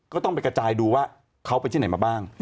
ก็ต้องไปกระจายดูว่าเขาไปที่ไหนมาบ้าง